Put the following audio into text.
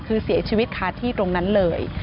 คือเสียชีวิตคาที่ตรงนั้นเลย